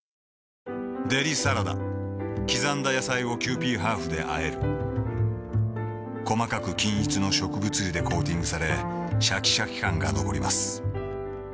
デリサラダ刻んだ野菜をキユーピーハーフであえる細かく均一の植物油でコーティングされシャキシャキ感が残ります